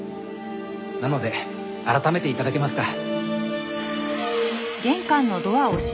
なので改めて頂けますか？